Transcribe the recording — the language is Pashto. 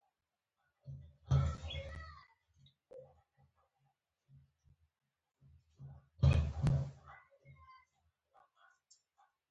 خپله ژبه تر نورو ټولو ژبو سپېڅلې وګڼل شي